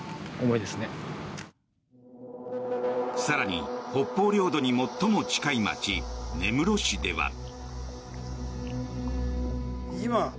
更に、北方領土に最も近い街根室市では。